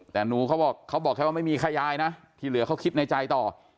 แต่หนูเขาบอกเขาบอกแค่ว่าไม่มีแค่ยายนะที่เหลือเขาคิดในใจต่อ